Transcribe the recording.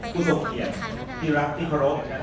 คุณส่งเกียรติที่รักที่เคารพนะครับ